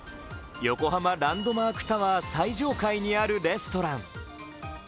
横浜ランドマークタワー最上階にあるレストラン。